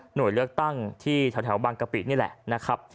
เลือกตั้งที่แถวบางกะปินี่แหละนะครับ